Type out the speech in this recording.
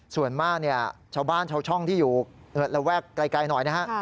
ส่วนมากเนี่ยชาวบ้านชาวช่องที่อยู่ระแวกไกลหน่อยนะฮะ